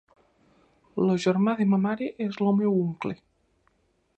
El germà de ma mare és el meu oncle.